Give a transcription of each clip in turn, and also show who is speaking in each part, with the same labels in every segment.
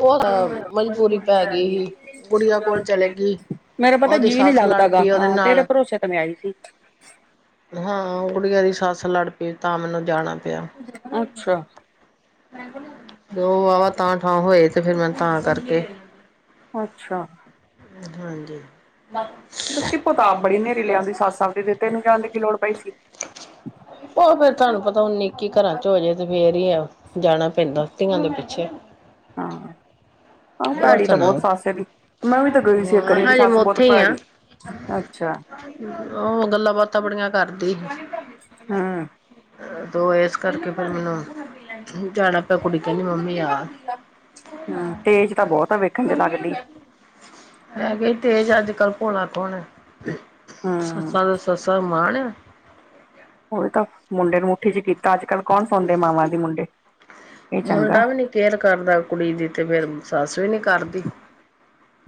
Speaker 1: ਉਹ, ਮਜਬੂਰੀ ਪੈ ਗਈ ਹੀ ਸੀ ਕੁੜੀਆਂ ਕੋਲ ਚਲੀ ਗਈ
Speaker 2: ਮੇਰਾ ਪਤਾ
Speaker 1: ਉਹਦੀ
Speaker 2: ਜੀਅ ਨੀ
Speaker 1: ਸੱਸ
Speaker 2: ਲੱਗਦਾ
Speaker 1: ਲੜ
Speaker 2: ਗਾ,
Speaker 1: ਪਈ ਉਹਦੇ
Speaker 2: ਹਾਂ ਤੇਰੇ
Speaker 1: ਨਾਲ
Speaker 2: ਭਰੋਸੇ ਤੇ ਮੈਂ ਆਈ ਸੀ।
Speaker 1: ਹਾਂ, ਕੁੜੀਆਂ ਦੀ ਸੱਸ ਲੜ ਪਈ, ਤਾਂ ਮੈਨੂੰ ਜਾਣਾ ਪਿਆ
Speaker 2: ਅੱਛਾ
Speaker 1: ਓ ਵਾਵਾ ਤਾਂ ਠਾਂ ਹੋਏ ਤੇ ਫੇਰ ਮੈ ਤਾਂ ਕਰਕੇ
Speaker 2: ਅੱਛਾ
Speaker 1: ਹਾਂ ਹਾਂਜੀ, ਨਪ ਅਸੀ
Speaker 2: ਸ਼ਿਪੋ ਤਾਂ ਆਪ
Speaker 1: ਕਬਾਬ
Speaker 2: ਬੜੀ
Speaker 1: ਬੜੇ
Speaker 2: ਹਨੇਰੀ
Speaker 1: ਮਿਲਨੇ ਆ,
Speaker 2: ਲਿਆਂਦੀ
Speaker 1: ਆਸ-ਪਾਸ
Speaker 2: ਸੱਸ ਆਪਦੀ ਤੇ ਤੈਨੂੰ ਜਾਣ ਦੀ ਕੀ ਲੋੜ ਪਈ ਸੀ
Speaker 1: [unintelligible] ਉਹ ਫਿਰ ਤੁਹਾਨੂੰ ਪਤਾ ਉਨੀ- ਇਕੀ ਘਰਾਂ 'ਚ ਹੋਜੇ ਤੇ ਫਿਰ ਹੀ ਆ ਜਾਨਾ ਪੈਂਦਾ, ਧੀਆਂ ਦੇ ਪਿੱਛੇ
Speaker 2: ਹਾਂ ਆਂ
Speaker 1: ਹੋਰ
Speaker 2: ਭੈੜੀ ਤਾਂ
Speaker 1: ਸੁਣਾਓ
Speaker 2: ਬਹੁਤ ਸੱਸ ਇਹਦੀ, ਮੈਂ ਵੀ ਤਾਂ ਗਈ ਸੀੇ ਇਕ
Speaker 1: ਹਾਂ
Speaker 2: ਵਾਰੀ
Speaker 1: ਹਜੇ
Speaker 2: ਸੱਸ
Speaker 1: ਮੈਂ
Speaker 2: ਬਹੁਤ
Speaker 1: ਉੱਥੇ
Speaker 2: ਭੈੜੀ ਅੱਛਾ
Speaker 1: ਹਮ, ਉਹ ਗੱਲਾਂ ਬਾਤਾਂ ਬੜੀਆਂ ਕਰਦੀ ਹੀ।
Speaker 2: ਹੂੰ
Speaker 1: ਅ ਤੋਂ ਇਸ ਕਰਕੇ ਫੇਰ ਮੈਨੂੰ ਜਾਣਾ ਪਿਆ ਕੁੜੀ ਕਹਿੰਦੀ ਮੰਮੀ ਆ।
Speaker 2: ਹਮ, ਤੇਜ ਤਾਂ ਬਹੁਤ ਆ ਵੇਖਣ ਨੂੰ ਲੱਗਦੀ।
Speaker 1: ਹੈਗੀ ਤੇਜ ਆ, ਅੱਜ- ਕੱਲ ਭੋਲਾ ਕੋਣ ਆ, ਸੱਸਾਂ
Speaker 2: ਹੂੰ
Speaker 1: ਦੇ ਸ ਸ ਮਾਨ।
Speaker 2: ਉਹੀ ਤਾਂ, ਮੁੰਡੇ ਨੂੰ ਮੁੱਠੀ 'ਚ ਕੀਤਾ, ਅੱਜ -ਕੱਲ ਕੌਣ ਸੌਂਦੇ ਮਾਵਾਂ ਦੇ ਮੁੰਡੇ ਇਹ ਚੰਗਾ
Speaker 1: ਮੁੰਡਾ ਵੀ ਨੀ ਕੇਅਰ ਕਰਦਾ ਕੁੜੀ ਦੀ, ਤੇ ਫਿਰ ਸੱਸ ਵੀ ਨੀ ਕਰਦੀ।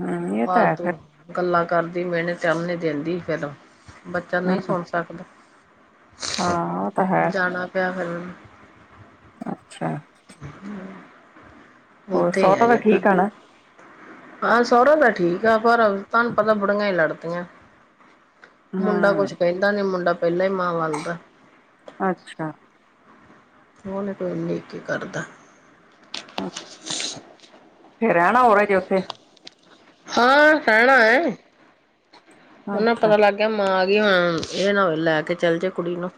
Speaker 2: ਹੂੰ ਇਹ ਤਾਂ ਹੈ
Speaker 1: ਫਾਲਤੂ,
Speaker 2: ਫਿਰ
Speaker 1: ਗੱਲਾਂ ਕਰਦੀ ਮੇਣੇ ਤਾਨੇ ਦਿੰਦੀ ਫੇਰ ਬੱਚਾ
Speaker 2: ਹੂੰ
Speaker 1: ਨਹੀਂ ਸੁਣ ਸਕਦਾ,
Speaker 2: ਹਾਂ ਉਹ ਤਾਂ ਹੈ
Speaker 1: ਜਾਣਾ ਪਿਆ ਫਿਰ ਮੈਂਨੂੰ
Speaker 2: ਅੱਛਾ
Speaker 1: ਹਮ,
Speaker 2: ਹੋਰ
Speaker 1: ਉੱਥੇ ਈ ਆ
Speaker 2: ਸਹੁਰਾ ਤਾਂ
Speaker 1: ਹਜੇ
Speaker 2: ਠੀਕ ਆ
Speaker 1: ਤਕ
Speaker 2: ਨਾ
Speaker 1: ਹਾਂ ਸੋਹਰਾ ਤਾਂ ਠੀਕ ਐ, ਪਰ ਤੁਹਾਨੂੰ ਪਤਾ ਬੁੜੀਆਂ ਈ ਲੜਦੀਆਂ ਮੁੰਡਾ
Speaker 2: ਹੂੰ
Speaker 1: ਕੁਛ ਕਹਿੰਦਾ ਨੀ, ਮੁੰਡਾ ਪਹਿਲਾਂ ਈ ਮਾਂ ਵਲ ਦਾ
Speaker 2: ਅੱਛਾ
Speaker 1: ਉਹ ਨੀ ਕੋਈ ਉਨੀ ਇਕੀ ਕਰਦਾ।
Speaker 2: ਆਂ [unintelligible]
Speaker 1: ਰਹਿਣਾ ਹੋਰ ਹਜੇ ਉੱਥੇ, ਹਾਂ ਰਹਿਣਾ ਏ।
Speaker 2: [inaudible]
Speaker 1: ਉਹਨਾਂ ਨੂੰ ਪਤਾ ਲੱਗ ਗਿਆ ਮਾਂ ਗਈ ਹੁਣ, ਇਹ ਨਾ ਹੋਏ ਲੈ ਕੇ ਚੱਲ ਜੇ ਕੁੜੀ ਨੂੰ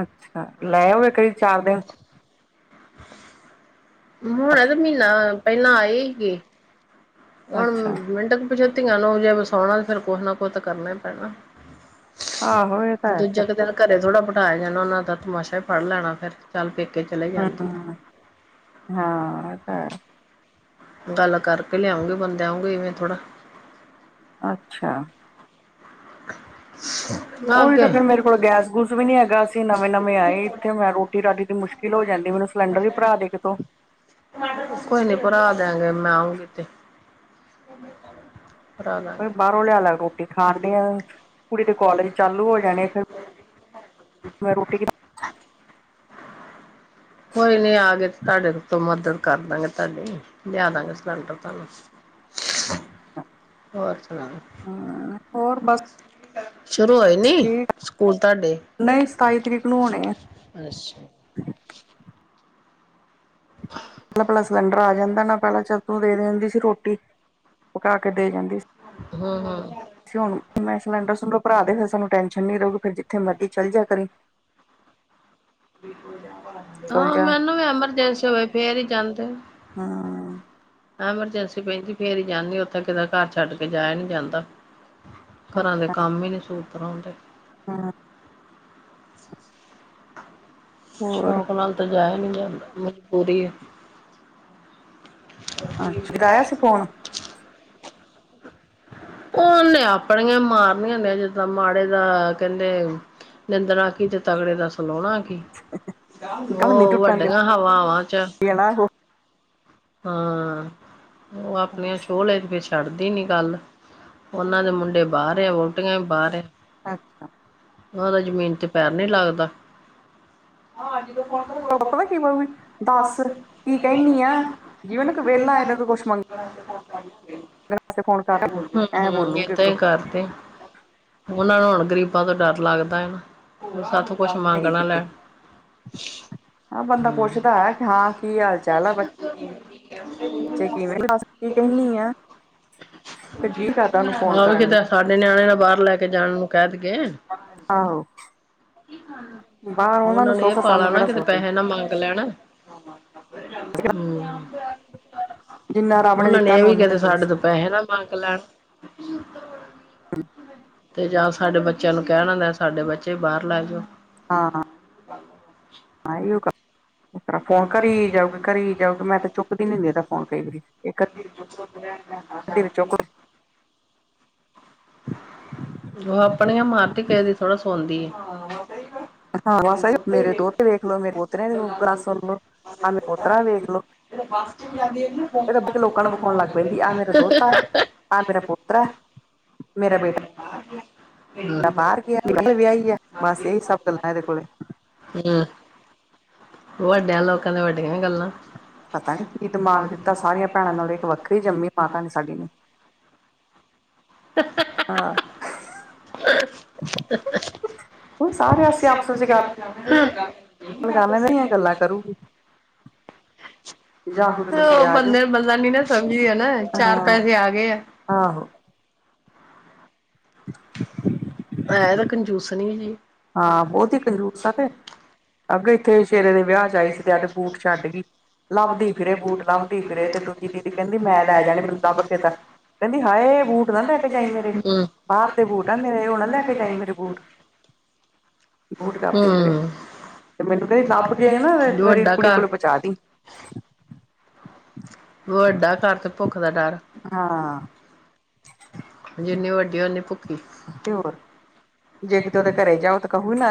Speaker 2: ਅੱਛਾ, ਲੈ ਆਵੇ ਕਰੀ ਚਾਰ ਦਿਨ
Speaker 1: ਹੁਣੇ ਤੇ ਮਹੀਨਾ, ਪਹਿਲਾਂ ਆਈ ਸੀ। ਹੁਣ
Speaker 2: ਅੱਛਾ
Speaker 1: ਮਿੰਟ ਕ ਪਿਛੇ ਧੀਆਂ ਨੂੰ ਜੇ ਵਸਾਣਾ ਫੇਰ ਕੁਛ ਨਾ ਕੁਛ ਤਾਂ ਕਰਨਾ ਈ ਪੈਣਾ
Speaker 2: ਆਹੋ ਇਹ ਤਾਂ ਹੈ ਫਿਰ
Speaker 1: ਦੂਜਾ [unintelligible] ਘਰੇ ਥੋੜਾ ਬਿਠਾਏਆ ਜਾਨਾ, ਓਨਾਂ ਦਾ ਤਮਾਸ਼ਾ ਈ ਫੜ ਲੈਣਾ ਫੇਰ ਚੱਲ ਪੇਕੇ ਚਲੇ ਜਾਂਦੀ
Speaker 2: ਹਮ ਹਾਂ, ਏ ਤਾ ਹੈ।
Speaker 1: ਗੱਲ ਕਰਕੇ ਲੇਆਉਂਗੇ ਬੰਦੇ ਆਓਂਗੇ ਇਵੇਂ ਥੋੜਾ
Speaker 2: ਅੱਛਾ।
Speaker 1: ਨਾ
Speaker 2: ਉਹੀ
Speaker 1: ਕੇ
Speaker 2: ਤਾਂ ਫਿਰ ਮੇਰੇ ਕੋਲ ਗੈਸ ਗੂਸ ਵੀ ਨੀ ਅੱਦੀ ਰਾਤੀ ਤੇ ਮੁਸ਼ਕਲ ਹੋ ਜਾਂਦੀ ਮੈਨੂੰ ਸਿਲੰਡਰ ਈ ਭਰਾ ਦੇ ਕਿਤੋਂ
Speaker 1: ਕੋਈ ਨੀ ਭਰਾ ਦੇਆਂਗੇ, ਮੈਂ ਆਓਂਗੀ ਤੇ ਭਰਾ ਦਾਂਗੇ
Speaker 2: ਬਾਰੋਂ ਲੇਆ- ਲੇਆ ਰੋਟੀ ਖਾਨ ਡੇਆ। ਕੁੜੀ ਦੇ ਕੋਲਜ ਚਾਲੂ ਹੋ ਜਾਨੇ ਫੇਰ ਮੈਂ ਰੋਟੀ
Speaker 1: ਕੋਈ ਨੀਂ ਆ ਗਏ ਤੇ ਤਾਡੇ ਤੋਂ ਮਦਦ ਕਰ ਦਾਂਗੇ ਤਾਡੀ ਲੇਆ ਦਾਂਗੇ ਸਿਲੰਡਰ ਤਾਨੂੰ ਹੋਰ ਸੁਨਾਓ?
Speaker 2: ਹਂ, ਹੋਰ ਬਸ
Speaker 1: ਸ਼ੁਰੂ ਹੋਏ ਨੀ,
Speaker 2: ਠੀਕ
Speaker 1: ਸਕੂਲ ਤਾਡੇ?
Speaker 2: ਨਹੀਂ ਸਤਾਈ ਤਰੀਕ ਨੂੰ ਹੋਣੇ ਆ
Speaker 1: ਅੱਸ਼ਾ
Speaker 2: ਪੈਲਾਂ-ਪੈਲਾਂ ਸਿਲੰਡਰ ਆ ਜਾਂਦਾ ਨਾ, ਪੈਲਾਂ ਚਲ ਤੂੰ ਦੇ ਦਿੰਦੀ ਸੀ, ਰੋਟੀ ਪਕਾ ਕੇ ਦੇ ਜਾਂਦੀ ਸੀ।
Speaker 1: ਹਂ-ਹਂ
Speaker 2: ਅਸੀਂ ਹੁ ਮੈਂ ਸਿਲੰਡਰ- ਸਲੂੰਡਰ ਭਰਾ ਦੇ ਫੇਰ ਸਾਨੂੰ ਟੈਨਸ਼ਨ ਨੀ ਰਊਗੀ ਫੇਰ ਜਿੱਥੇ ਮਰਜ਼ੀ ਚੱਲ ਜੇਆ ਕਰੀ ਕੋਲ
Speaker 1: ਹਾਂ,
Speaker 2: ਜਾ
Speaker 1: ਮੈਨੂੰ ਵੀ ਐਮਰਜੈਂਸੀ ਹੋਵੇ ਫੇਰ ਈ ਜਾਂਦੇ।
Speaker 2: ਹਾਂ
Speaker 1: ਐਮਰਜੈੰਸੀ ਪੈੰਦੀ ਫੇਰ ਈ ਜਾਂਨੀ ਓਥੇ ਕੇੜਾ ਘਰ ਛੱਡ ਕੇ ਜਾਏਆ ਨੀ ਜਾਂਦਾ। ਘਰਾਂ ਦੇ ਕੰਮ ਈ ਨੀ ਸੂਤਰ ਆਂਦੇ।
Speaker 2: ਹੂੰ। ਹੋਰ
Speaker 1: ਸ਼ੌਕ ਨਾਲ ਤੇ ਜਾਏਆ ਨੀ ਜਾਂਦਾ ਮਜਬੂਰੀ ਐ।
Speaker 2: ਅੱਛਾ, ਓਦਾ ਆਏਆ ਸੀ ਫੋਨ?
Speaker 1: ਓਨੇ ਆਪਣੀਆਂ ਮਾਰਨੀਆਂ ਹੁੰਦੀਆਂ ਜਦੋਂ ਮਾੜੇ ਦਾ ਕੇਂਦੇ ਨਿੰਦਣਾ ਕੀ, ਤੇ ਤਗੜੇ ਦਾ ਸਲੋਣਾ ਕੀ
Speaker 2: ਗੱਲ ਨੀ
Speaker 1: ਵੋ
Speaker 2: ਟੁੱਟਣ ਦਿੰਦੀ
Speaker 1: ਵੱਡੀਆਂ ਹਵਾਵਾਂ 'ਚ
Speaker 2: [unintelligible]
Speaker 1: ਹਾਂ ਓ ਆਪਨੀਆਂ [unintelligible] ਛੱਡਦੀ ਨੀਂ ਗੱਲ ਓਨਾਂ ਦੇ ਮੁੰਡੇ ਬਾਰ ਐ, ਵੋਟੀਆਂ ਵੀ ਬਾਰ ਐ
Speaker 2: ਅੱਛਾ।
Speaker 1: ਓਦਾ ਜਮੀਨ ਤੇ ਪੈਰ ਨੀਂ ਲੱਗਦਾ। ਹਾਂ, ਜਦੋਂ ਫੋਨ ਕਰੂਗੀ ਪਤਾ ਕੀ
Speaker 2: ਬੋਲੂਗੀ
Speaker 1: ਕਊਗੀ
Speaker 2: ਦੱਸ
Speaker 1: ਦਸ ਕੀ
Speaker 2: ਕਹਿੰਨੀ
Speaker 1: ਕੇਂਨੀ
Speaker 2: ਆ
Speaker 1: ਐ? [unintelligible]
Speaker 2: ਜਿਵੇਂ ਨਾ ਕੋਈ ਵਿਹਲਾ ਇਹਦੇ ਤੋਂ ਕੁਛ ਮੰਗਣ ਵਾਸਤੇ ਫੋਨ ਕਰ ਐਂ
Speaker 1: ਹਮ-ਹਮ
Speaker 2: ਬੋਲੂਗੀ
Speaker 1: ਏਦਾਂ
Speaker 2: ਅੱਗੋਂ
Speaker 1: ਈ ਕਰਦੇ। ਓਨਾਂ ਨੂੰ ਹੁਣ ਗਰੀਬਾਂ ਤੋਂ ਡਰ ਲੱਗਦਾ ਐ ਨਾ, ਸਾਥੋਂ ਕੁਛ ਮੰਗ
Speaker 2: ਹੈਗੀ
Speaker 1: ਨਾ
Speaker 2: ਕਿਤੇ
Speaker 1: ਲੈਣ।
Speaker 2: ਹਾਂ
Speaker 1: ਆਪਾਂ
Speaker 2: ਬੰਦਾ
Speaker 1: ਤਾਂ ਪੁੱਛਨਾ ਐ
Speaker 2: ਪੁੱਛਦਾ ਹੈ
Speaker 1: ਹਾਂ ਕਿ
Speaker 2: ਕੀ
Speaker 1: ਹਾਲ-
Speaker 2: ਆ
Speaker 1: ਚਾਲ ਐ [unintelligible]
Speaker 2: ਬੱਚੇ ਕਿਵੇਂ ਦੱਸ ਕੀ ਕਹਿੰਨੀ ਆ ਫਿਰ ਜੀਅ ਕਰਦਾ ਉਹਨੂੰ ਫੋਨ
Speaker 1: ਹਾਂ ਵੀ,
Speaker 2: ਕਰਨ ਨੂੰ
Speaker 1: ਕਿਤੇ ਸਾਡੇ ਨਿਆਣੇ ਨਾ ਬਾਰ ਲੈ ਕੇ ਜਾਣ ਨੂੰ ਕੇ ਦੀਏ।
Speaker 2: ਆਹੋ। ਬਾਹਰ ਉਹਨਾਂ ਨੂੰ
Speaker 1: ਓਨਾਂ ਨੇ ਏ
Speaker 2: ਸੁੱਖ ਸਾਨੂੰ
Speaker 1: ਪਾਲਾ ਨਾ
Speaker 2: ਕਿਹੜਾ
Speaker 1: ਕਿਤੇ
Speaker 2: ਸੁੱਖ
Speaker 1: ਪੈਸੇ ਨਾ ਮੰਗ ਲੈਣ। ਹਮ,
Speaker 2: ਜਿੰਨਾ ਰੱਬ
Speaker 1: ਓਨਾਂ ਨੇ
Speaker 2: ਦਿੱਤਾ
Speaker 1: ਏ
Speaker 2: ਸਾਨੂੰ
Speaker 1: ਵੀ
Speaker 2: ਓਨੀ
Speaker 1: ਕੇ ਤਾ ਸਾਡੇ
Speaker 2: ਕੰਜੂਸ
Speaker 1: ਤੋਂ ਪੈਸੇ ਨਾ ਮੰਗ ਲੈ ਤੇ ਜਾਂ ਸਾਡੇ ਬੱਚਿਆਂ ਨੂੰ ਕੈਨਾ ਆਲੈ ਸਾਡੇ ਬੱਚੇ ਵੀ ਬਾਰ ਲੈ ਜੋ।
Speaker 2: ਹਾਂ-ਹਾਂ।
Speaker 1: [inaudible]
Speaker 2: ਆਈਓ ਕਾ ਤਰ੍ਹਾਂ ਫੋਨ ਕਰੀ ਜਾਊਗੀ ਕਰੀ ਜਾਊਗੀ ਮੈਂ ਤੇ ਚੁੱਕਦੀ ਨੀ ਹੁੰਦੀ ਏਦਾ ਫੋਨ ਕਈ ਵਾਰੀ ਇੱਕ ਅੱਧੀ ਵਾਰੀ ਚੁੱਕ
Speaker 1: [inaudible]
Speaker 2: [inaudible]
Speaker 1: ਓ ਆਪਨੀਆਂ ਮਾਰਦੀ ਕਿਸੇ ਦੀ ਥੋੜਾ ਸੁਨਦੀ ਏ। ਹਾਂ ਸਈ ਗੱਲ।
Speaker 2: ਹਾਂ ਮੇਰੇ ਦੋਤੇ ਵੇਖਲੋ ਮੇਰੇ ਪੋਤਰੇ ਦੀ ਗੱਲ ਸੁਨ ਲੋੋ। ਆਹ ਮੇਰਾ ਪੋਤਰਾ ਵੇਖ ਲੋ, ਏ ਤੇ ਪੈਲਾਂ ਲੋਕਾਂ ਨੂੰ ਵਖੌਨ ਲੱਗ ਪੈਂਦੀ ਆਹ ਮੇਰਾ ਦੋਤਾ ਐ ਆ ਮੇਰਾ ਪੋਤਰਾ।
Speaker 1: ਮੇਰਾ ਬੇਟਾ ਬਾਰ ਗੇਆ।
Speaker 2: ਮੇਰਾ ਬੇਟਾ ਬਾਰ ਗਿਆ ਮੇਰੀ [unintelligible] ਵਿਆਈ ਆ ਬਸ ਏਈ ਸਬ ਗੱਲਾਂ ਏਦੇ ਕੋਲੇ।
Speaker 1: ਏਆਂ ਵੱਡੇਆਂ ਲੋਕਾਂ ਦੀਆਂ ਵੱਡੀਆਂ ਗੱਲਾਂ।
Speaker 2: ਪਤਾ ਨੀ ਕੀ ਦਿਮਾਗ ਦਿੱਤਾ ਸਾਰੀਆਂ ਭੈਨਾਂ ਨਾਲੋਂ ਇੱਕ ਵੱਖਰੀ ਜੰਮੀ ਮਾਤਾ ਨੇ ਸਾਡੀ ਨੇ।
Speaker 1: ਤਬ ਤੱਕ
Speaker 2: ਆਰ ਸਾਰੇ
Speaker 1: [inaudible]
Speaker 2: ਹੁਨ ਕਰਨ ਦੀਆਂ ਗੱਲਾਂ ਕਰੂੰਗੀ। ਤੁਸੀਂ
Speaker 1: ਓ
Speaker 2: ਆ ਜਾਓ
Speaker 1: ਬੰਦੇ ਨੂੰ ਬੰਦਾ ਨੀ ਨਾ ਸਮਝਦੀ ਆ ਨਾ ਚਾਰ ਪੈਸੇ
Speaker 2: ਹਾਂ
Speaker 1: ਆ ਗਏ ਆ।
Speaker 2: ਆਹੋ।
Speaker 1: ਐ ਤਾਂ ਕੰਜੂਸਨੀ ਜੀ
Speaker 2: ਹਾਂ ਬੋਤ ਈ ਕੰਜੂਸ ਆ ਤੇ ਅੱਗੇ ਇੱਥੇ ਸ਼ੇਰੇ ਦੇ ਵਿਆਹ ਚ ਆਈ ਸੀ ਤੇ ਆਵਦੇ ਬੂਟ ਛੱਡਗੀ ਲੱਭਦੀ
Speaker 1: ਹੂੰ
Speaker 2: ਫਿਰੇ ਬੂਟ ਲੱਭਦੀ ਫਿਰੇ ਤੇ ਦੂਜੀ ਦੀਦੀ ਕੈਂਦੀ ਮੈਂ ਲੈ ਜਾਨੇ ਮੈਨੂੰ ਲੱਭ ਕੇ ਤਾਂ ਕੈਂਦੀ ਹਾਏ ਬੂਟ ਨਾ ਲੈ ਕੇ ਜਾਈਂ ਮੇਰੇ, ਬਾਰ ਦੇ ਬੂਟ ਆ ਮੇਰੇ ਓ ਨਾ ਲੈ ਕੇ ਜਾਈਂ ਮੇਰੇ ਬੂਟ ਬੂਟ ਲੱਭਦੀ ਫਿਰੇ, ਤੇ ਮੈਨੂੰ ਕੈਂਦੀ ਲੱਭ ਕੇ ਨਾ
Speaker 1: ਹੂੰ
Speaker 2: ਮੇਰੀ
Speaker 1: ਵੱਡਾ
Speaker 2: ਕੁੜੀ
Speaker 1: ਘਰ
Speaker 2: ਕੋਲ ਪੁਚਾ ਦੀ। [inaudible]
Speaker 1: ਵੱਡਾ ਘਰ ਤੇ ਭੁੱਖ ਦਾ ਡਰ।
Speaker 2: ਹਾਂ।
Speaker 1: ਜਿੰਨੀ ਵੱਡੀ ਓਨੀ ਭੁੱਖੀ।
Speaker 2: ਤੇ ਹੋਰ ਜੇ ਕਿਤੇ ਓਦੇ ਘਰੇ ਜਾਓ ਤੇ ਕਓ ਓਨਾਂ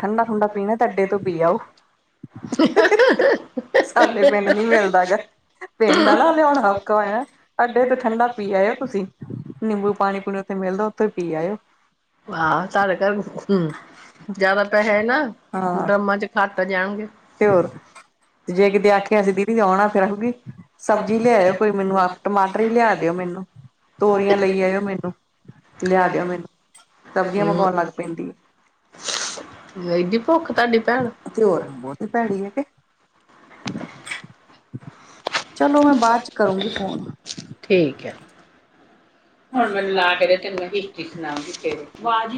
Speaker 2: ਠੰਡਾ ਠੂੰਡਾ ਪੀਨਾ ਤਾਂ ਅੱਡੇ ਤੋਂ ਪੀ ਆਓ। ਸਾਡੇ ਪਿੰਡ ਨੀ ਮਿਲਦਾ ਗਾ, ਪਿੰਡ ਆਲਾ ਲਿਆਓਨਾ ਔਖਾ ਹੋਏਆ। ਅੱਡੇ ਤੇ ਠੰਡਾ ਪੀ ਆਏਓ ਤੁਸੀਂ ਨਿੰਬੂ ਪਾਨੀ ਪੂਨੀ ਓਥੇ ਮਿਲਦਾ ਓਥੋਂ ਪੀ ਆਏਓ।
Speaker 1: ਸਾਡੇ ਘਰ ਜ਼ਿਆਦਾ ਪੈਸੇ ਨਾ
Speaker 2: ਹਾਂ।
Speaker 1: ਡਰੰਮਾਂ ਚ ਖੱਟ ਜਾਨਗੇ। ਤੇ ਹੋਰ
Speaker 2: ਤੇ ਜੇ ਕਿਤੇ ਆਖੇਆਂ ਅਸੀਂ ਦੀਦੀ ਔਨਾ, ਫ਼ਿਰ ਆਹੂਗੀ ਸਬਜ਼ੀ ਲਿਆਏਓ ਕੋਈ ਮੈਂਨੂੰ ਆਪ ਟਮਾਟਰ ਈ ਲਿਆ ਦਿਓ ਮੈਂਨੂੰ, ਤੋਰੀਆਂ ਲਈ ਆਏਓ ਮੈਨੂੰ, ਲਿਆ ਦਿਓ ਮੈਨੂੰ। ਸਬਜ਼ੀਆਂ ਮੰਗੌਨ ਲੱਗ ਪੈਂਦੀ ਏ।
Speaker 1: ਐਡੀ ਭੁੱਖ ਤਾਡੀ ਭੈਨ, ਤੇ ਹੋਰ
Speaker 2: ਬੋਤੀ ਭੈੜੀ ਏ ਤੇ ਚੱਲੋ ਮੈਂ ਬਾਦ ਚ ਕਰੂੰਗੀ ਫ਼ੋਨ।
Speaker 1: ਠੀਕ ਐ, ਹੁਣ ਮੈਂਨੂੰ ਲਾ ਕੇ ਦੇ ਤਿੰਨ ਵੀ ਦਿਖਣਾ ਵੀ‌ਖੇ ਵਾਜ਼ ਈ